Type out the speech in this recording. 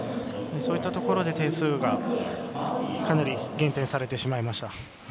そういったところで点数が減点されてしまいました。